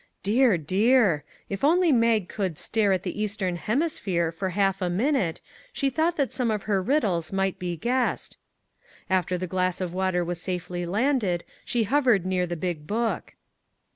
Dear, dear ! If only Mag could " stare at the Eastern Hemisphere " for half a minute, she thought that some of her riddles might be 136 DISCOVERIES guessed. After the glass of water was safely landed she hovered near the big book.